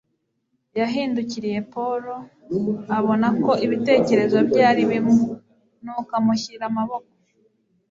Yahindukiriye Paul, abona ko ibitekerezo bye ari bimwe, nuko amushyira amaboko.